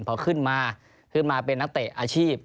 พอขึ้นมาขึ้นมาเป็นนักเตะอาชีพ